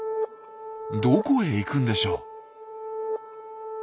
どこへ行くんでしょう？